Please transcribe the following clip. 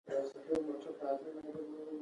د هندو اشرافو نخرې دوی له عادي خلکو بېلول.